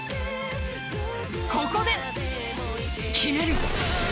ここで決める。